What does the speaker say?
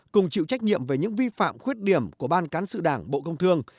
cùng chịu trách nhiệm về những vi phạm khuyết điểm của ban cán sự đảng bộ công thương